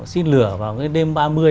xin lửa vào cái đêm ba mươi